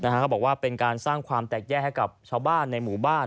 เขาบอกว่าเป็นการสร้างความแตกแยกให้กับชาวบ้านในหมู่บ้าน